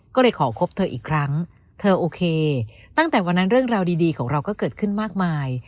ก็เลยขอคบเธออีกครั้งเธอโอเคตั้งแต่วันนั้นเรื่องราวดีของเราก็เกิดขึ้นมากมาย